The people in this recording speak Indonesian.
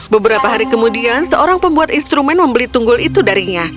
beberapa hari kemudian seorang pembuat instrumen membeli tunggul itu darinya